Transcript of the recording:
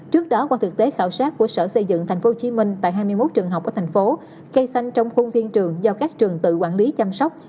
trước đó qua thực tế khảo sát của sở xây dựng tp hcm tại hai mươi một trường học ở thành phố cây xanh trong khuôn viên trường do các trường tự quản lý chăm sóc